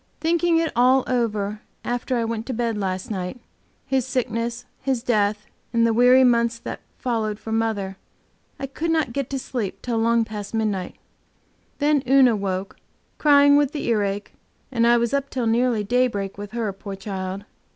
Thinking it all over after I went to bed last night, his sickness, his death, and the weary months that followed for mother, I could not get to sleep till long past midnight. Then Una woke, crying with the earache, and I was up till nearly daybreak with her, poor child.